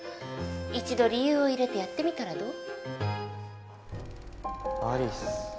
一度理由を入れてやってみたらどう？